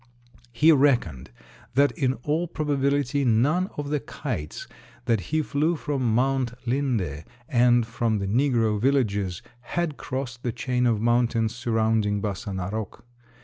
He reckoned that in all probability none of the kites that he flew from Mount Linde and from the negro villages had crossed the chain of mountains surrounding Bassa Narok.